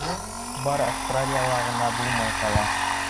Бары Австралияла ғына булмай ҡала.